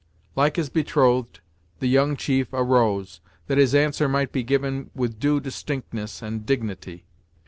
Like his betrothed, the young chief arose, that his answer might be given with due distinctness and dignity.